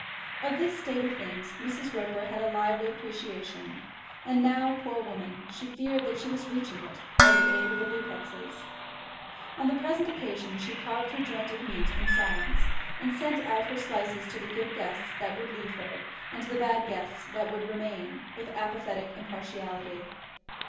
Of this state of things Mrs. Roper had a lively appreciation, and now, poor woman, she feared that she was reaching it, by the aid of the Lupexes. On the present occasion she carved her joint of meat in silence, and sent out her slices to the good guests that would leave her, and to the bad guests that would remain, with apathetic impartiality.